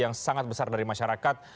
yang sangat besar dari masyarakat